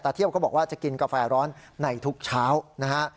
เที่ยวก็บอกว่าจะกินกาแฟร้อนในทุกเช้านะฮะ